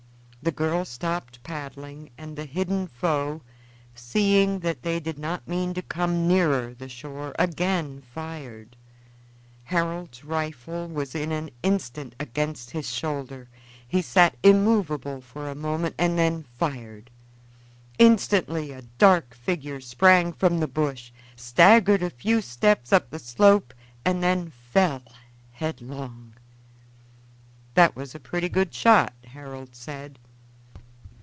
The girl stopped paddling, and the hidden foe, seeing that they did not mean to come nearer the shore, again fired. Harold's rifle was in an instant against his shoulder; he sat immovable for a moment and then fired. Instantly a dark figure sprang from the bush, staggered a few steps up the slope, and then fell headlong. "That was a pretty good shot," Harold said.